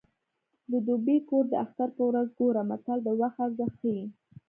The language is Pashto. د دوبي کور د اختر په ورځ ګوره متل د وخت ارزښت ښيي